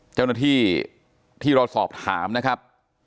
เจ้าหน้าที่ที่เราสอบถามนะครับ